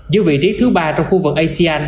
giữa vị trí thứ ba trong khu vực asean